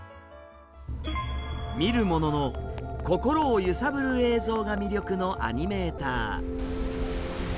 見る者の心を揺さぶる映像が魅力のアニメーター。